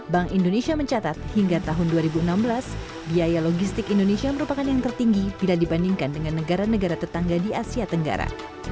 bank indonesia mencatat hingga tahun dua ribu enam belas biaya logistik indonesia merupakan yang tertinggi bila dibandingkan dengan negara negara tetangga di asia tenggara